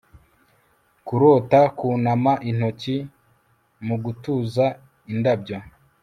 kurota, kunama intoki, mugutuza indabyo